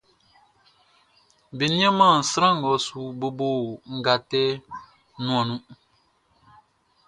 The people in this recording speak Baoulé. Be nianman sran ngʼɔ su bobo nʼgatɛ nuanʼn nun.